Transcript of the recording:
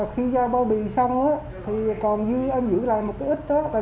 khi do bao bì xong thì còn như em giữ lại một cái ít đó